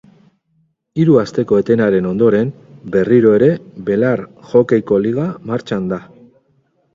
Hiru asteko etenaren ondoren berriro ere belar hokeiko liga martxan da.